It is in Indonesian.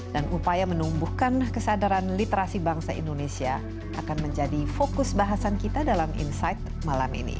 dan upaya menumbuhkan kesadaran literasi bangsa indonesia akan menjadi fokus bahasan kita dalam inside malam ini